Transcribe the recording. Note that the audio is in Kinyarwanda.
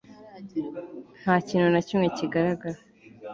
Nta kintu na kimwe kigaragara